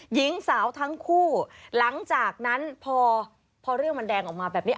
หญิงสาวทั้งคู่หลังจากนั้นพอพอเรื่องมันแดงออกมาแบบนี้